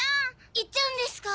行っちゃうんですか？